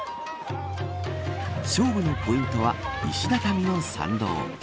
勝負のポイントは石畳の参道。